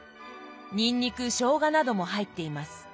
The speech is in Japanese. にんにくしょうがなども入っています。